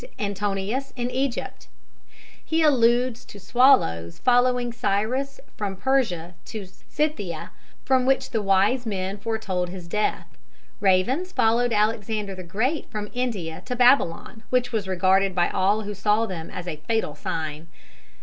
Antonius in Egypt." He alludes to swallows following Cyrus from Persia to Scythia, from which the "wise men" foretold his death. Ravens followed Alexander the Great from India to Babylon, which was regarded by all who saw them as a fatal sign.